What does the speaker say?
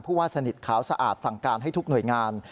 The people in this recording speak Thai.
ว่าสนิทขาวสะอาดสั่งการให้ทุกหน่วยงาน